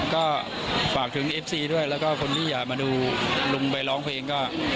ก็ฝากถึงเอฟซีด้วยแล้วก็คนที่อยากมาดูลุงไปร้องเพลงก็